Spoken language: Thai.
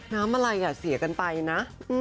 น้ำอะไรอ่ะเสียกันไปนะ